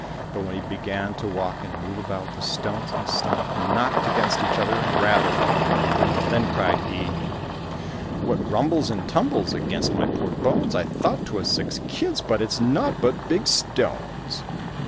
But when he began to walk and move about, the stones in his stomach knocked against each other and rattled. Then cried he, "What rumbles and tumbles Against my poor bones? I thought 't was six kids, But it's naught but big stones."